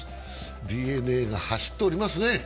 ＤｅＮＡが走っておりますね。